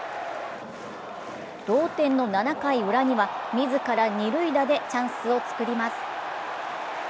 同点の７回ウラには、自ら二塁打でチャンスを作ります。